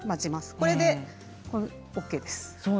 これでＯＫです。